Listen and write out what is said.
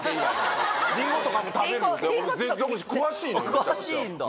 あっ詳しいんだ。